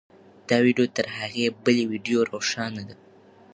دا ویډیو تر هغې بلې ویډیو روښانه ده.